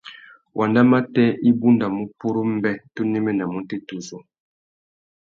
Wandamatê i bundamú purú mbê tu néménamú têtuzú.